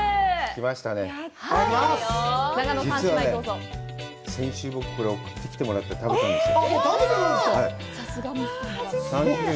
実はね、先週、これ送ってきてもらって食べたんですよ。